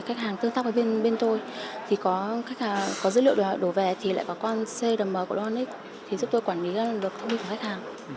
cách hàng tương tắc với bên tôi có dữ liệu đổ về lại có con cdm của nova onx giúp tôi quản lý được thông tin của khách hàng